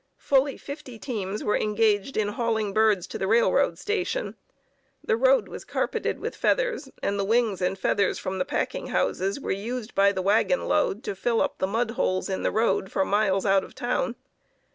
Fully fifty teams were engaged in hauling birds to the railroad station. The road was carpeted with feathers, and the wings and feathers from the packing houses were used by the wagon load to fill up the mud holes in the road for miles out of town.